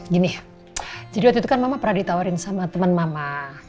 gini jadi waktu itu kan mama pernah ditawarin sama teman mama